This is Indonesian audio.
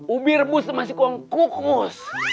ubi rebus masih kuang kukus